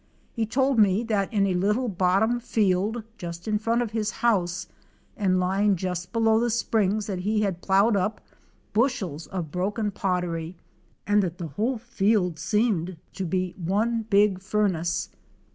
He told me that in a little bottom field just in front of his house and lying just below the springs that he had plowed up bushels of broken pottery and that the whole field seemed to be one big furnace.